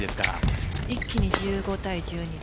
一気に１５対１２